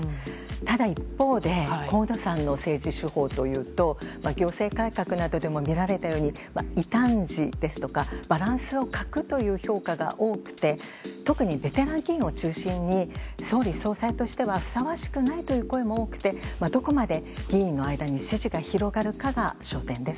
ただ一方で、河野さんの政治手法というと、行政改革などでも見られたように、異端児ですとか、バランスを欠くという評価が多くて、特にベテラン議員を中心に、総理総裁としてはふさわしくないという声も多くて、どこまで議員の間に支持が広がるかが焦点です。